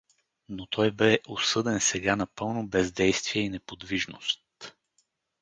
Но той бе осъден сега на пълно бездействие и неподвижност.